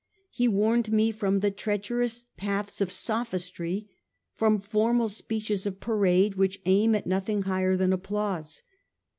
He warned me from the treacherous paths of sophistry, from formal speeches of parade which aim at nothing higher than applause.